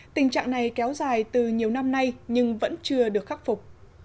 tình trạng này kéo dài từ nhiều năm nay nhưng vẫn chưa được khắc phục